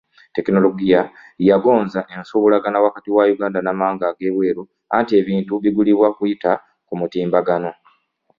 Tekinologiya yagonza ensuubulagana wakati wa uganda n'amawanga ag'ebweru anti ebintu bigulibwa kuyita ku mutimbagano.